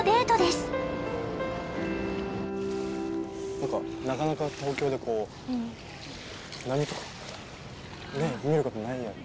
なんかなかなか東京でこう波とかねっ見る事ないよね。